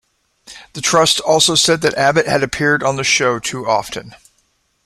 The Trust also said that Abbott had appeared on the show too often.